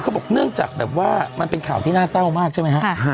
บอกเนื่องจากแบบว่ามันเป็นข่าวที่น่าเศร้ามากใช่ไหมฮะ